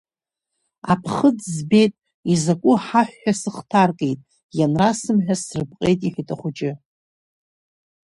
Аԥхыӡ збет, изакәу ҳаҳә ҳәа сыхҭаркит, ианрасымҳәа срыпҟет, — иҳәет ахәыҷы.